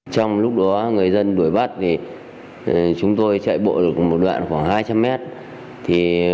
trong lúc đó người dân đuổi bắt chúng tôi chạy bộ được một đoạn khoảng hai trăm linh mét